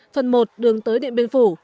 phần một đường tới điện biên phủ